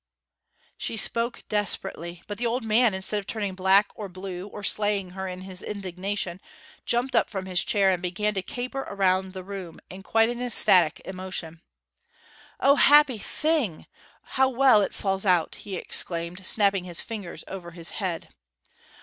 She spoke desperately. But the old man, instead of turning black or blue, or slaying her in his indignation, jumped up from his chair, and began to caper around the room in quite an ecstatic emotion. 'O, happy thing! How well it falls out!' he exclaimed, snapping his fingers over his head.